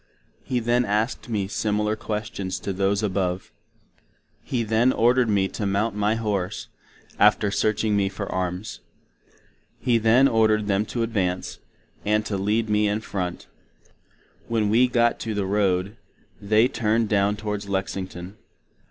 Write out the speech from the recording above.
He then asked me similar questions to those above. He then orderd me to mount my Horse, after searching me for arms. He then orderd them to advance, and to lead me in front. When we got to the Road, they turned down towards Lexington.